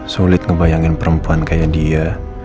sulit ngebayangin perempuan kayak dia